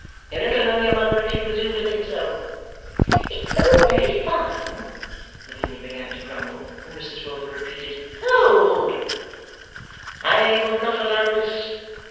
You little know your mother if you presume to think so.' 'It's all very fine,' Lavinia began to grumble, when Mrs Wilfer repeated: 'Hold! I will not allow this.